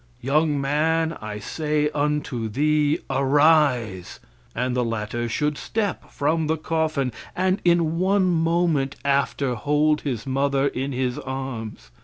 "Young man, I say unto thee, arise!" And the latter should step from the coffin, and in one moment after hold his mother in his arms.